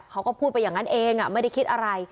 เขาก็พูดไปอย่างนั้นเองไม่ได้คิดอะไร